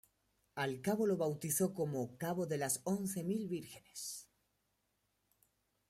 Al cabo lo bautizó como "cabo de las Once mil Vírgenes".